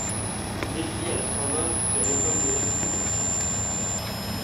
Ils étudient à la Sorbonne puis à l’École des hautes études en sciences sociales.